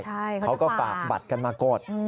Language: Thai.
เขาก็ฝากบัตรกันมากด